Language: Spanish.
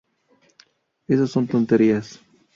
Eso son tonterías.